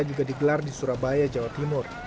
juga digelar di surabaya jawa timur